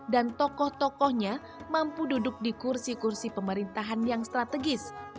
dan tokoh tokohnya mampu duduk di kursi kursi pemerintahan yang strategis